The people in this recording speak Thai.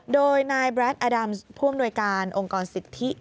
โดยนายแบร์ทอาดัมพ่วงหน่วยการองค์กรสิทธิ